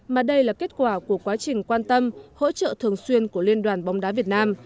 mà đây là kết quả của quá trình quan tâm hỗ trợ thường xuyên của liên đoàn bóng đá việt nam